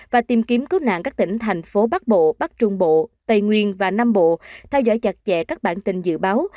và tìm kiếm cứu nạn các tỉnh thành phố bắc bộ bắc trung bộ tây nguyên và nam bộ theo dõi chặt chẽ các bản tin dự báo